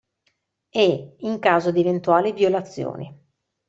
E, in caso di eventuali violazioni.